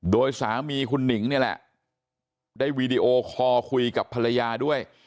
โดยสามีคุณหนิงนี่แหละได้วีดีโอคอร์คุยกับภรรยาด้วย